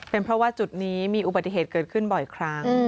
เป็นเพราะว่าจุดนี้มีอุบัติเหตุเกิดขึ้นบ่อยครั้ง